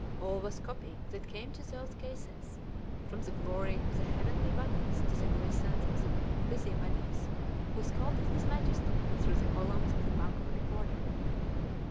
All was "copy" that came to those cases, from the glory of the heavenly bodies to the nuisance of the busybodies who scolded his Majesty through the columns of the Bangkok Recorder.